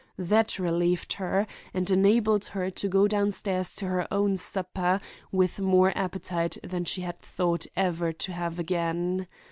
That relieved her, and enabled her to go downstairs to her own supper with more appetite than she had thought ever to have again.